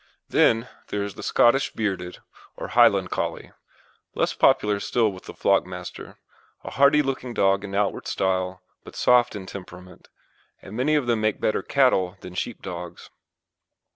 Then there is the Scottish bearded, or Highland Collie, less popular still with the flock master, a hardy looking dog in outward style, but soft in temperament, and many of them make better cattle than sheep dogs.